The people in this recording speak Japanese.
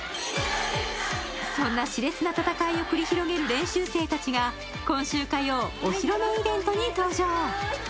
そんなしれつな戦いを繰り広げる練習生たちが今週火曜、お披露目イベントに登場。